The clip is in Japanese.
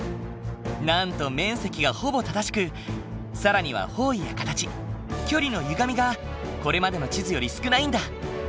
なんと面積がほぼ正しく更には方位や形距離のゆがみがこれまでの地図より少ないんだ。